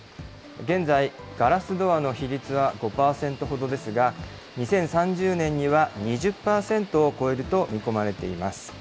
現在、ガラスドアの比率は５％ほどですが、２０３０年には２０％を超えると見込まれています。